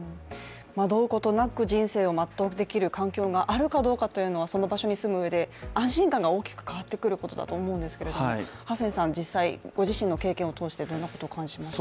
惑うことなく、人生を全うできる環境があるかどうかというのはその場所に住むうえで安心感が大きく変わってくることだと思うんですが、ご自身の経験を通して、どう思いましたか。